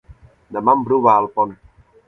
Demà en Bru va a Alpont.